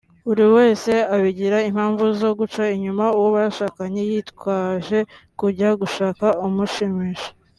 buri wese abigira impamvu zo guca inyuma uwo bashakanye yitwaje kujya gushaka umushimisha